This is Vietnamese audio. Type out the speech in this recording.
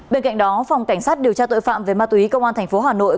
bên cạnh đó phòng cảnh sát điều tra tội phạm về ma túy công an thành phố hà nội